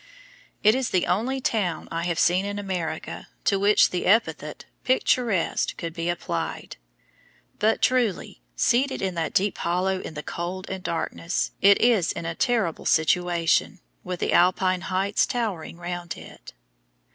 It is the only town I have seen in America to which the epithet picturesque could be applied. But truly, seated in that deep hollow in the cold and darkness, it is in a terrible situation, with the alpine heights towering round it.